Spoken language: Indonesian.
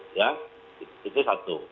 ya itu satu